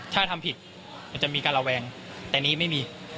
ถ้าทำผิดมันจะมีการระแวงแต่นี้ไม่มี